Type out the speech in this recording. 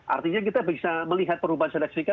artinya kita bisa melihat perubahan signifikan